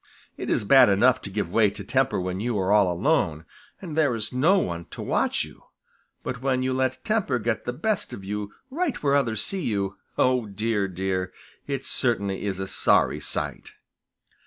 It is bad enough to give way to temper when you are all alone, and there is no one to watch you, but when you let temper get the best of you right where others see you, oh, dear, dear, it certainly is a sorry sight.